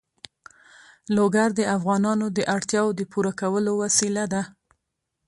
لوگر د افغانانو د اړتیاوو د پوره کولو وسیله ده.